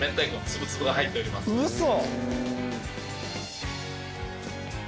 嘘！？